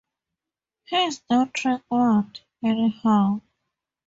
He's no trick mutt, anyhow.